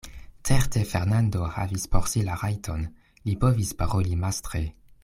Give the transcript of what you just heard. Certe Fernando havis por si la rajton: li povis paroli mastre.